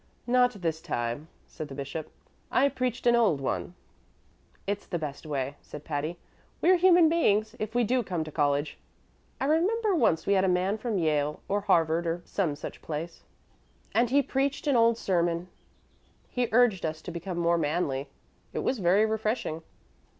"Not this time," said the bishop; "I preached an old one." "It's the best way," said Patty. "We're human beings, if we do come to college. I remember once we had a man from Yale or Harvard or some such place, and he preached an old sermon: he urged us to become more manly. It was very refreshing."